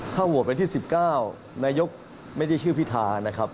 ถ้าโหวตเป็นที่๑๙นายกไม่ได้ชื่อพิธานะครับ